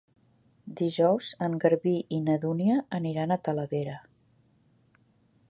Dijous en Garbí i na Dúnia aniran a Talavera.